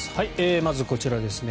まずこちらですね。